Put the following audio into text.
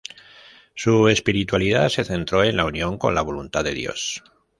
Su espiritualidad se centró en la unión con la Voluntad de Dios.